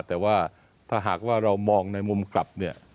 แต่ว่าถ้าหากว่าเรามองในมุมกลับเนี่ย